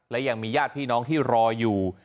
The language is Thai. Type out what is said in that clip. และยังมีญาติพี่น้องที่รออยู่